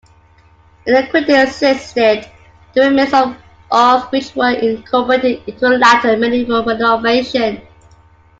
An aqueduct existed, the remains of which were incorporated into a latter medieval renovation.